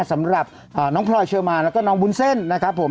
สำหรับน้องพลอยเชอร์มานแล้วก็น้องวุ้นเส้นนะครับผม